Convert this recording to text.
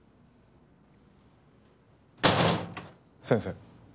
先生。